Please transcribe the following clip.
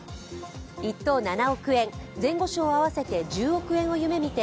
１等７億円、前後賞合わせて１０億円を夢見て